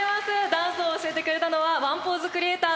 ダンスを教えてくれたのはワンポーズクリエイター